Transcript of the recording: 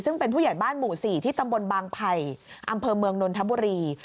ซึ่งเป็นผู้ใหญ่บ้านหมู่๔ที่ตำบลบางไผ่อำเภอเมืองนนทบุรี